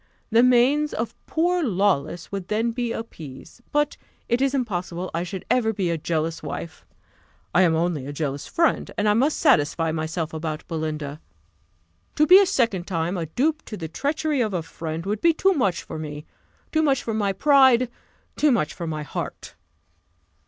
The manes of poor Lawless would then be appeased. But it is impossible I should ever be a jealous wife: I am only a jealous friend, and I must satisfy myself about Belinda. To be a second time a dupe to the treachery of a friend would be too much for me too much for my pride too much for my heart."